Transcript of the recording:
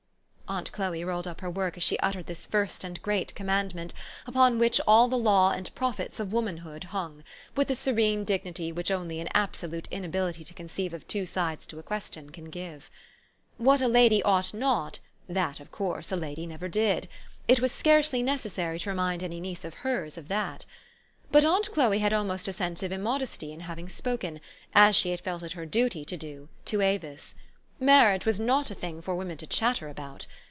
Aunt Chloe rolled up her work as she uttered this first and great commandment, upon which all the law and prophets of womanhood hung, with the serene dignity which only an absolute inability to conceive of two sides to a question can give. What a lady ought not, that, of course, a lady never did. It was scarcely necessary to remind any niece of hers of that. But aunt Chloe had almost a sense of immod esty in having spoken, as she had felt it her duty to do, to Avis. Marriage was not a thing for women to chatter about.